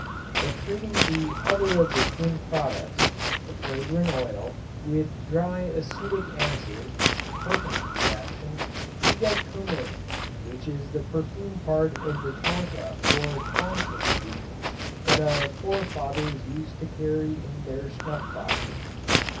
But treating the other of the twin products, the fragrant oil, with dry acetic acid ("Perkin's reaction") we get cumarin, which is the perfume part of the tonka or tonquin beans that our forefathers used to carry in their snuff boxes.